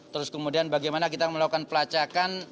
terus kemudian bagaimana kita melakukan pelacakan